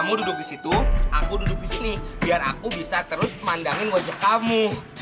kamu duduk di situ aku duduk di sini biar aku bisa terus memandangin wajah kamu